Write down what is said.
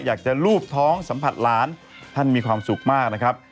รูปท้องสัมผัสหลานท่านมีความสุขมากนะครับ